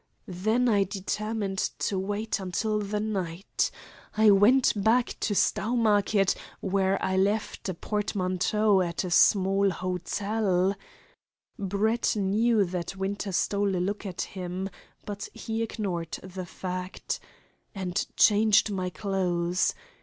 "Then I determined to wait until the night. I went back to Stowmarket, where I left a portmanteau at a small hotel" Brett knew that Winter stole a look at him, but he ignored the fact "and changed my clothes.